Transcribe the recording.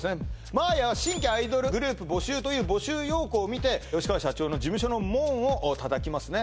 守彬は新規アイドルグループ募集という募集要項を見て社長の事務所の門を叩きますね